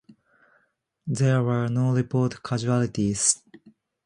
There were no reported casualties.